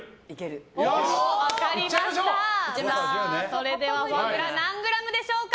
それではフォアグラ何グラムでしょうか？